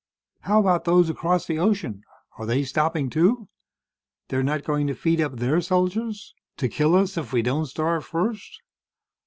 "How about those across the ocean? Are they stopping, too? They're not going to feed up their soldiers? To kill us if we don't starve first?